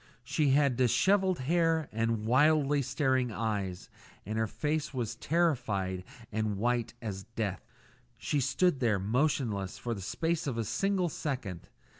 She had dishevelled hair and wildly staring eyes, and her face was terrified and white as death. She stood there motionless for the space of a single second.